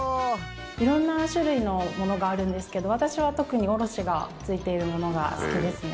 色んな種類のものがあるんですけど私は特におろしがついているものが好きですね。